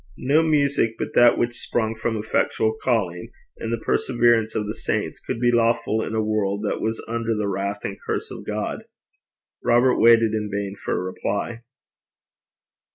No music but that which sprung from effectual calling and the perseverance of the saints could be lawful in a world that was under the wrath and curse of God. Robert waited in vain for a reply.